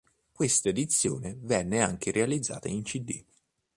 Questa edizione venne anche realizzata in cd.